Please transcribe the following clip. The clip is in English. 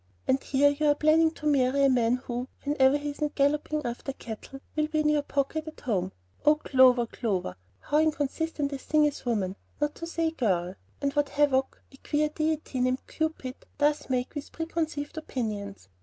And here you are planning to marry a man who, whenever he isn't galloping after cattle, will be in your pocket at home! Oh, Clover, Clover, how inconsistent a thing is woman, not to say girl, and what havoc that queer deity named Cupid does make with preconceived opinions!